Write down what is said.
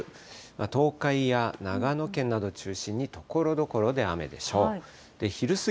東海や長野県などを中心にところどころで雨でしょう。